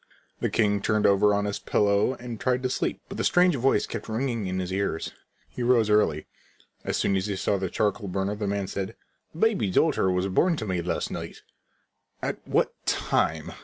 The king turned over on his pillow and tried to sleep, but the strange voice kept ringing in his ears. He rose early. As soon as he saw the charcoal burner the man said: "A baby daughter was born to me last night." "At what time?"